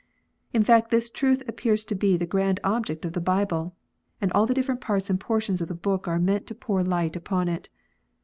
In fact, this truth appears to be the grand object of the Bible, and all the different parts and portions of the book are meant to pour light upon it.